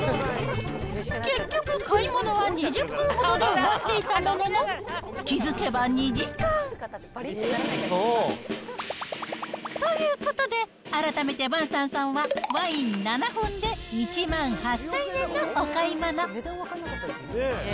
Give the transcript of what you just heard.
結局、買い物は２０分ほどで終わっていたものの、気付けば２時間。ということで、改めてヴァンサンさんはワイン７本で１万８０００円のお買い物。